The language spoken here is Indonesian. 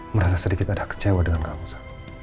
merasa sedikit agak kecewa dengan kamu sa